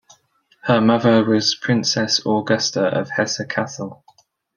Her mother was Princess Augusta of Hesse-Cassel.